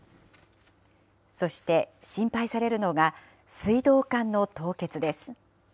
そして心配されるのが、水道管の凍結です。